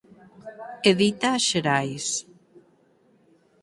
Edita Xerais.